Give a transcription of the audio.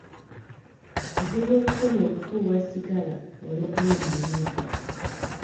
Kizibu okukomya okufuuwa sigala olw'okumwemanyiza.